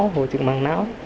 hồi chứng măng nã